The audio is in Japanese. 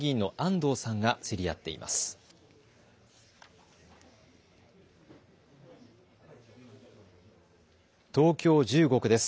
東京１５区です。